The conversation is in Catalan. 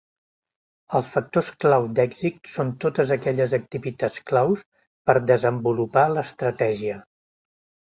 Els factors clau d'èxit són totes aquelles activitats claus per desenvolupar l'estratègia.